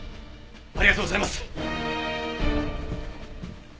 ありがとうございます！